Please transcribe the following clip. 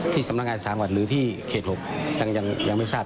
ที่สำนักงานสถานกวัดหรือที่เขตหกยังยังยังไม่ทราบ